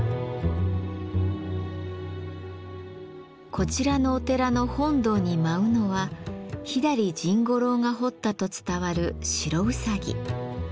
こちらのお寺の本堂に舞うのは左甚五郎が彫ったと伝わる白うさぎ。